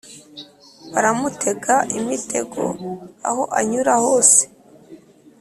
baramutega imitego aho anyura hose,